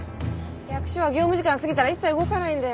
役所は業務時間過ぎたら一切動かないんだよ。